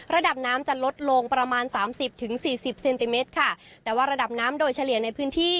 ระดับน้ำจะลดลงประมาณสามสิบถึงสี่สิบเซนติเมตรค่ะแต่ว่าระดับน้ำโดยเฉลี่ยในพื้นที่